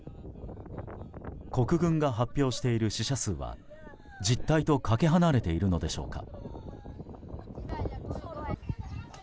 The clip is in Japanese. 国軍が発表している死者数は実態とかけ離れているのでしょうか。